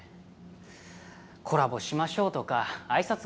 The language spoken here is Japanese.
コラボしましょうとかあいさつ